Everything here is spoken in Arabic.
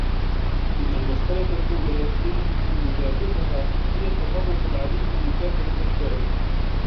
إن المسألة الأولى التي يجب أن نجابهها هي التطرف العنيف بكافة أشكاله.